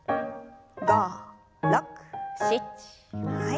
５６７はい。